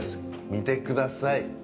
見てください。